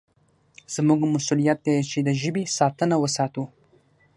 زموږ مسوولیت دی چې د ژبې ساتنه وساتو.